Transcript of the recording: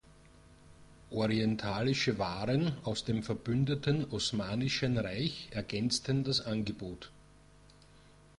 Orientalische Waren aus dem verbündeten Osmanischen Reich ergänzten das Angebot.